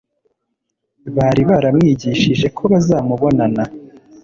bari baramwigishije ko bazamubonana,